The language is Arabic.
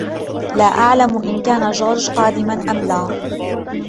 لا أعلم إن كان جورج قادما أم لا.